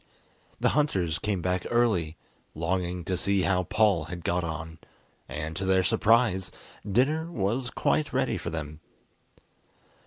The hunters came back early, longing to see how Paul had got on, and, to their surprise, dinner was quite ready for them.